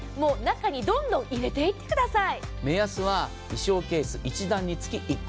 中にどんどん入れていってください。